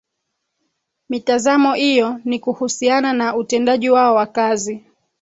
Mitazamo iyo ni kuhusiana na utendaji wao wa kazi